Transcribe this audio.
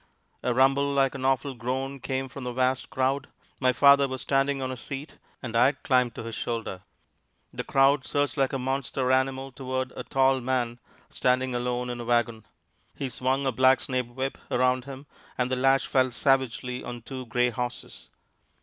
A rumble like an awful groan came from the vast crowd. My father was standing on a seat, and I had climbed to his shoulder. The crowd surged like a monster animal toward a tall man standing alone in a wagon. He swung a blacksnake whip around him, and the lash fell savagely on two gray horses.